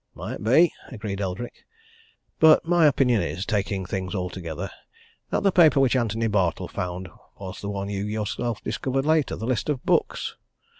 "Might be," agreed Eldrick. "But my opinion is, taking things all together, that the paper which Antony Bartle found was the one you yourself discovered later the list of books.